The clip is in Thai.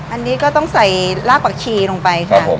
อันนี้ก็ต้องใส่ลากผักชีลงไปค่ะ